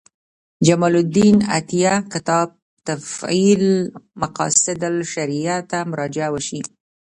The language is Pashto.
جمال الدین عطیه کتاب تفعیل مقاصد الشریعة ته مراجعه وشي.